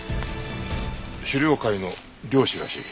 狩猟会の猟師らしい。